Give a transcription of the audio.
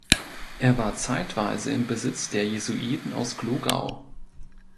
Es war zeitweise im Besitz der Jesuiten aus Glogau.